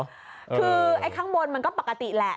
คือไอ้ข้างบนมันก็ปกติแหละ